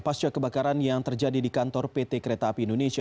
pasca kebakaran yang terjadi di kantor pt kereta api indonesia